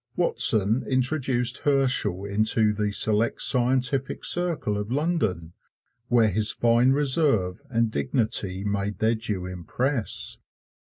Watson introduced Herschel into the select scientific circle of London, where his fine reserve and dignity made their due impress.